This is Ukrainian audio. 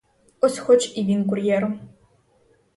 Ось хоч і він кур'єром.